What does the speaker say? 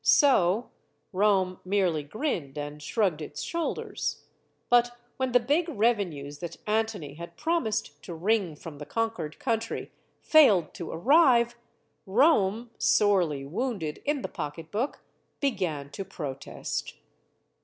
So Rome merely grinned and shrugged its shoulders. But when the big revenues that Antony had promised to wring from the conquered country failed to arrive, Rome sorely wounded in the pocketbook began to protest.